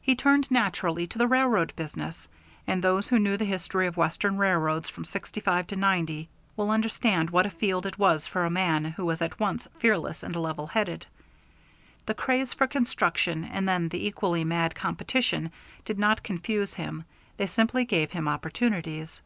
He turned naturally to the railroad business, and those who know the history of Western railroads from '65 to '90 will understand what a field it was for a man who was at once fearless and level headed. The craze for construction and then the equally mad competition did not confuse him, they simply gave him opportunities.